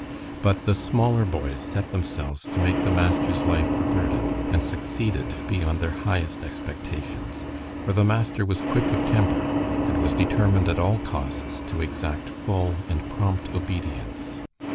But the smaller boys set themselves to make the master's life a burden, and succeeded beyond their highest expectations, for the master was quick of temper, and was determined at all costs to exact full and prompt obedience.